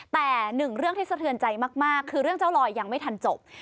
แต่หนึ่งเรื่องที่สะเทือนใจมากคือเรื่องเจ้าลอยยังไม่ทันจบ